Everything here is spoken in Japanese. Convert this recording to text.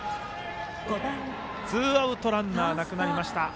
ツーアウトランナーなくなりました。